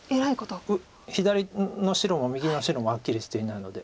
左の白も右の白もはっきりしていないので。